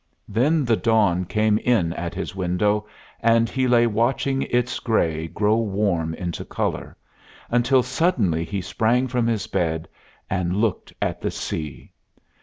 Then the dawn came in at his window, and he lay watching its gray grow warm into color, until suddenly he sprang from his bed and looked at the sea.